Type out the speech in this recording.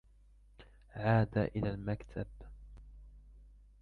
عاد إلى المكتب.